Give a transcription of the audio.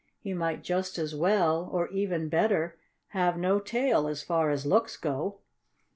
He might just as well, or even better, have no tail, as far as looks go.